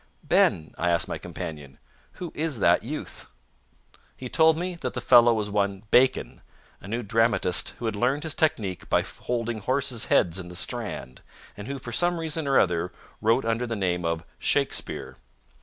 "Ben," I asked my companion, "who is that youth?" He told me that the fellow was one Bacon, a new dramatist who had learned his technique by holding horses' heads in the Strand, and who, for some reason or other, wrote under the name of Shakespeare.